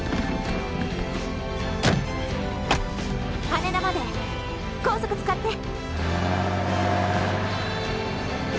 羽田まで高速使って。